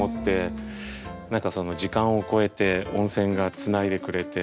何かその時間をこえて温泉がつないでくれて。